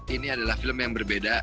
ini adalah film yang berbeda